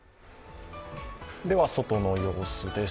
外の様子です。